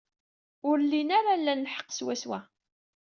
Ur llin ara lan lḥeqq swaswa.